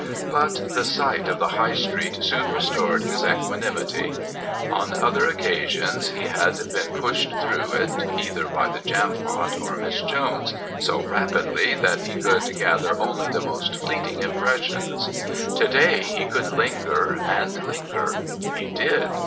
But the sight of the High Street soon restored his equanimity. On other occasions he had been pushed through it, either by the Jampot or Miss Jones, so rapidly that he could gather only the most fleeting impressions. To day he could linger and linger; he did.